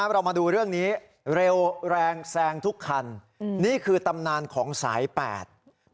เรามาดูเรื่องนี้เร็วแรงแซงทุกคันนี่คือตำนานของสายแปด